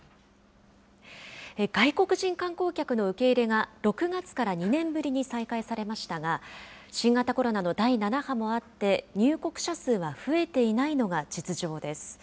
外国人観光客の受け入れが、６月から２年ぶりに再開されましたが、新型コロナの第７波もあって、入国者数は増えていないのが実情です。